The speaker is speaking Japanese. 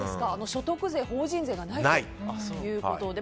所得税、法人税がないということで。